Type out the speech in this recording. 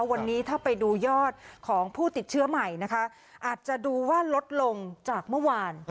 วันนี้ถ้าไปดูยอดของผู้ติดเชื้อใหม่นะคะอาจจะดูว่าลดลงจากเมื่อวาน